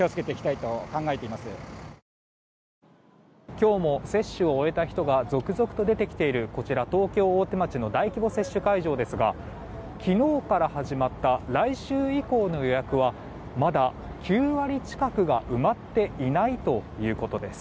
今日も接種を終えた人が続々と出てきているこちら、東京・大手町の大規模接種会場ですが昨日から始まった来週以降の予約はまだ９割近くが埋まっていないということです。